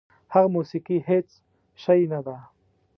هغه موسیقي هېڅ شی نه ده.